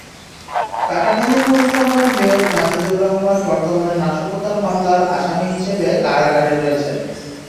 কাটাখালী পৌরসভার মেয়র মাজেদুর রহমান বর্তমানে নাশকতার মামলার আসামি হিসেবে কারাগারে রয়েছেন।